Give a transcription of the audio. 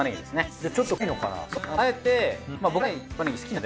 じゃあちょっと辛いのかな？